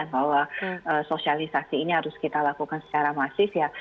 bahwa sosialisasi ini harus kita lakukan secara masif ya